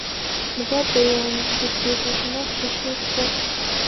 Могай поян пӱртӱс, А шомакше чылт порсын.